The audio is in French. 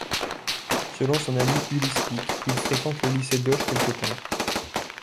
Selon son ami Ulysse Pic, il fréquente le lycée d'Auch quelque temps.